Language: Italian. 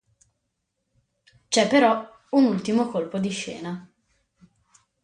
C'è però un ultimo colpo di scena.